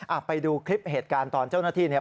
ไปดูคลิปเหตุการณ์ตอนเจ้าหน้าที่เนี่ย